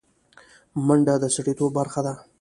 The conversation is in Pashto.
منډه د سړيتوب برخه ده